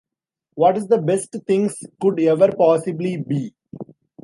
What is the best things could ever possibly be?